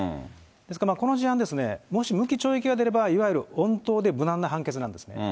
ですからこの事案、もし無期懲役が出れば、いわゆる穏当で無難な判決なんですね。